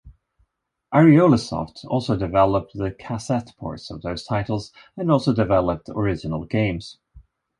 Ariolasoft also developed the cassette ports of those titles, and also developed original games.